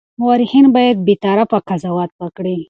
مورخین باید بېطرفه قضاوت وکړي.